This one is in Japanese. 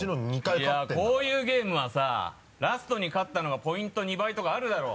いやこういうゲームはさラストに勝ったのがポイント２倍とかあるだろう。